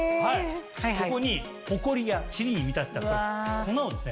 ここにホコリやちりに見立てた粉をですね